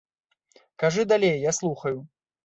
Кажы далей, я слухаю.